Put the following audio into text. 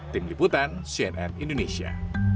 tim liputan cnn indonesia